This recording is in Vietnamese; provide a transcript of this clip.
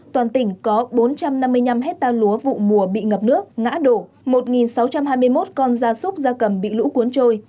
toàn tỉnh có bốn trăm năm mươi năm hectare lúa vụ mùa bị ngập nước ngã đổ một sáu trăm hai mươi một con da súc da cầm bị lũ cuốn trôi